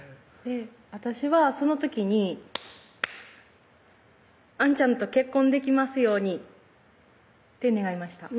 私はその時にあんちゃんと結婚できますようにって願いました